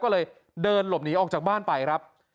ก็เลยเดินหลบหนีออกจากบ้านไปครับ